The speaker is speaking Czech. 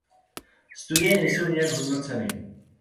Studie nejsou nijak hodnoceny.